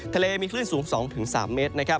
ทะเลมีคลื่นสูง๒๓เมตรนะครับ